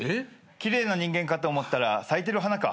奇麗な人間かと思ったら咲いてる花か。